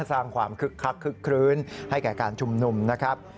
สร้างความคึกคักคึกคลื้นให้แก่การชุมนุมนะครับ